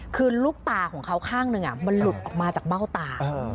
คือลูกตาของเขาข้างหนึ่งมันหลุดออกมาจากเบ้าตา